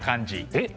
えっ？